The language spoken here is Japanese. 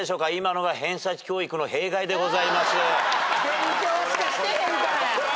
勉強しかしてへんから。